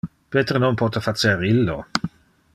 Peter non pote facer illo.